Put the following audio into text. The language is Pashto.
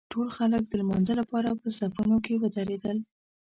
ټول خلک د لمانځه لپاره په صفونو کې ودرېدل.